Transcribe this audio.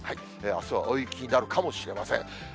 あすは大雪になるかもしれません。